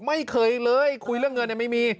ไม่เคยเลยคุยเรื่องเงินไม่มี